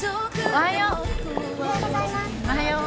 おはよう。